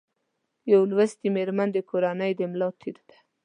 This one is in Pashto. یو لوستي مېرمن د کورنۍ د ملا تېر ده